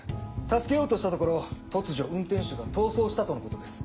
助けようとしたところ突如運転手が逃走したとのことです。